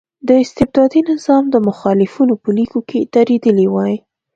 د استبدادي نظام د مخالفینو په لیکو کې درېدلی وای.